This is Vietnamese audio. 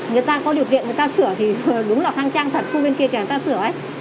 người ta có điều kiện người ta sửa thì đúng là khăng trang thật khu bên kia thì người ta sửa ấy